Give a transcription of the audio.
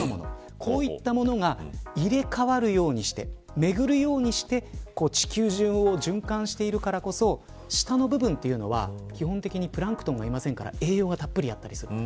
こういったものが入れ替わるようにして巡るようにして地球を循環しているからこそ下の部分というのは基本的にプランクトンがいませんから栄養がたっぷりあったりする。